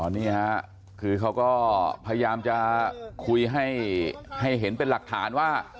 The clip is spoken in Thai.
นี่ฮะคือเขาก็พยายามจะคุยให้เห็นเป็นหลักฐานว่า